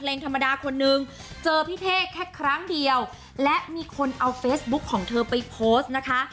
ธรรมดาคนนึงเจอพี่เท่แค่ครั้งเดียวและมีคนเอาเฟซบุ๊คของเธอไปโพสต์นะคะ